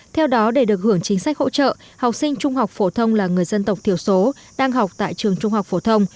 theo đó để được hưởng chính sách hỗ trợ học sinh trung học phổ thông là người dân tộc thiểu số đang học tại trường trung học phổ thông